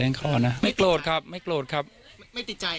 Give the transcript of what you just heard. แล้วอันนี้ก็เปิดแล้ว